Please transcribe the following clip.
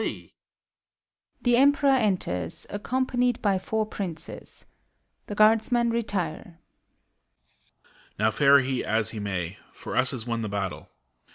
EMPEROR. Now fare he, as he may I For us is won the battle.